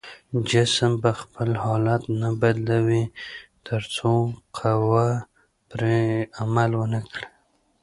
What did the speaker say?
جسم به خپل حالت نه بدلوي تر څو قوه پرې عمل ونه کړي.